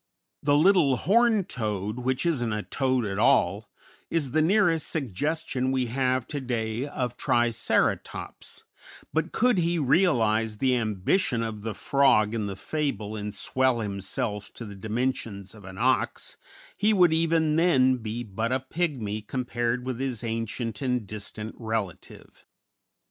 The little "Horned Toad," which isn't a toad at all, is the nearest suggestion we have to day of Triceratops; but, could he realize the ambition of the frog in the fable and swell himself to the dimensions of an ox, he would even then be but a pigmy compared with his ancient and distant relative.